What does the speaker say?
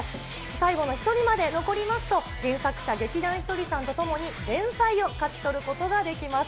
最後の１人まで残りますと、原作者、劇団ひとりさんとともに、連載を勝ち取ることができます。